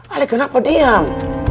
ala kenapa diam